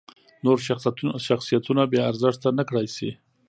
نور شخصیتونه بې ارزښته نکړای شي.